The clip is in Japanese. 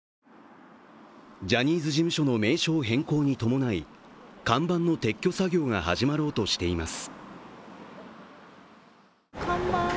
ジャニーズ事務所の名称変更に伴い看板の撤去作業が始まろうとしています。